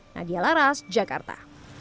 nadia laras jakarta